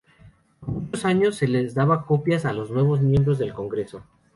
Por muchos años se les daba copias a los nuevos miembros del Congreso.